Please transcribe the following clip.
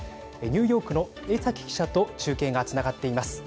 ニューヨークの江崎記者と中継がつながっています。